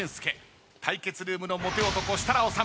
対決ルームのモテ男設楽統。